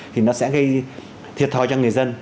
thì nó sẽ gây thiệt thòi cho người dân